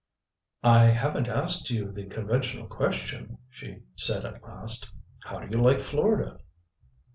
"I haven't asked you the conventional question?" she said at last. "How do you like Florida?"